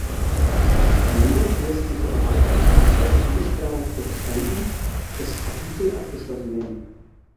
Jedoch lässt sich der Erweiterungsprozess nicht darauf beschränken, dass Kapitel abgeschlossen werden.